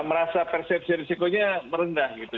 merasa persepsi risikonya merendah gitu